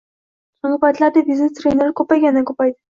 So‘nggi paytlarda biznes trenerlar ko‘paygandan ko‘paydi